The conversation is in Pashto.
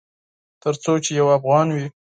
ترڅو چې یو افغان وي